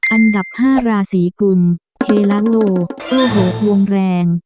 อันดับ๕ราศีกุลเฮละโลโอ้โหควงแรง